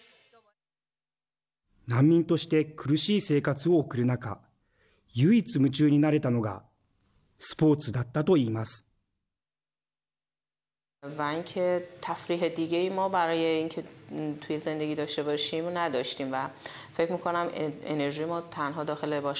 難民として苦しい生活を送る中唯一夢中になれたのがスポーツだったと言います。